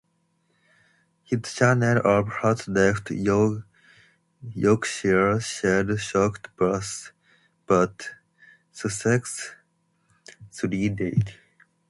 His change of heart left Yorkshire "shell-shocked" but Sussex "thrilled".